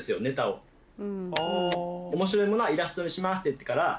面白いものはイラストにしますって。